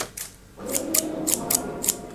ঐ চেকিং চলছিল তো, বোমাবারুদের।